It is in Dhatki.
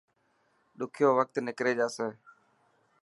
ڏکيو وقت نڪري جاسي.